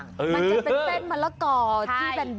มันจะเป็นเต้นมัลก่อที่แบนยาว